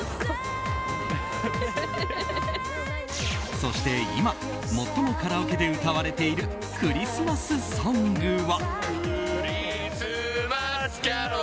そして、今最もカラオケで歌われているクリスマスソングは？